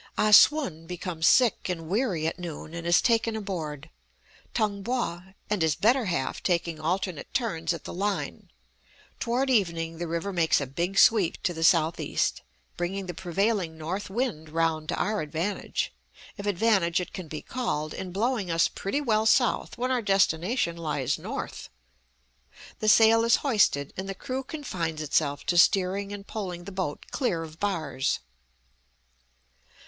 Ah Sum becomes sick and weary at noon and is taken aboard, Tung Po and his better half taking alternate turns at the line. Toward evening the river makes a big sweep to the southeast, bringing the prevailing north wind round to our advantage; if advantage it can be called, in blowing us pretty well south when our destination lies north. The sail is hoisted, and the crew confines itself to steering and poling the boat clear of bars.